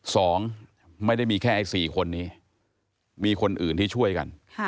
สองไม่ได้มีแค่เว็บไลน์๗คนเนี่ยยังมีคนอื่นที่ช่วยกัน